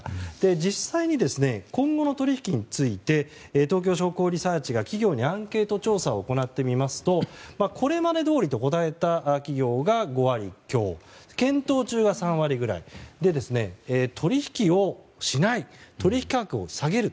実際、今後の取引について東京商工リサーチが企業にアンケート調査を行ってみますとこれまでどおりと答えた企業が５割強検討中が３割ぐらい取引をしない、取引価格を下げる